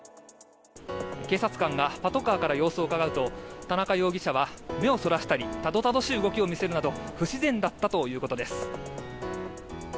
警察官がパトカーから様子をうかがうと田中容疑者は目をそらしたりたどたどしい様子を見せるなど不自然だったということです。